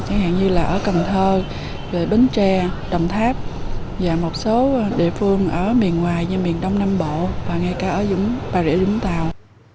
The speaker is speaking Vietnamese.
chẳng hạn như là ở cần thơ bến tre đồng tháp và một số địa phương ở miền ngoài như miền đông nam bộ và ngay cả ở bà rịa vũng tàu